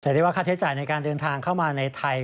ได้ว่าค่าใช้จ่ายในการเดินทางเข้ามาในไทย